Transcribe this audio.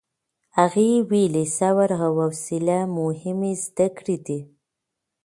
هغې ویلي، صبر او حوصله مهمې زده کړې دي.